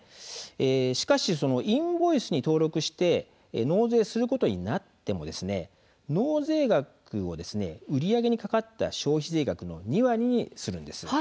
しかし、インボイスに登録して納税することになっても納税額を売り上げにかかった消費税額の２割にするんです。